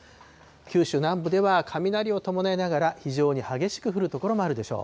九州南部では、雷を伴いながら、非常に激しく降る所もあるでしょう。